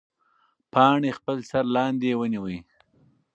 پاڼې خپل سر لاندې ونیوه.